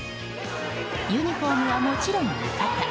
ユニホームはもちろん浴衣。